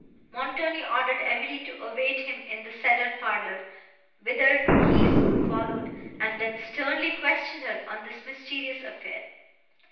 Montoni ordered Emily to await him in the cedar parlour, whither he soon followed, and then sternly questioned her on this mysterious affair.